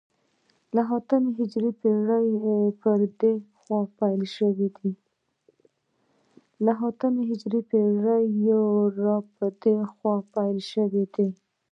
له اتمې هجرې پېړۍ را په دې خوا پیل شوی دی